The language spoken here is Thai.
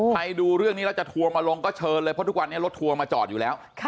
ดูเรื่องนี้แล้วจะทัวร์มาลงก็เชิญเลยเพราะทุกวันนี้รถทัวร์มาจอดอยู่แล้ว